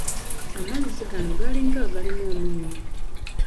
Amazzi gano galinga agalimu omunnyo.